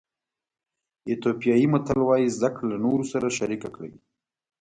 ایتیوپیایي متل وایي زده کړه له نورو سره شریک کړئ.